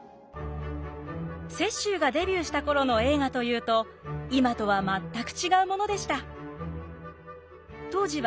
雪洲がデビューした頃の映画というと今とは全く違うものでした。